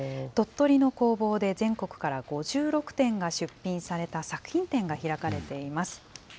鳥取の工房で、全国から５６点が出品された作品展が開かれています。